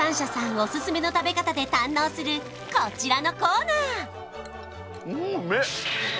オススメの食べ方で堪能するこちらのコーナー